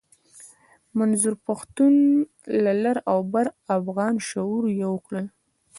منظور پښتون لر او بر افغانان شعوري يو کړل.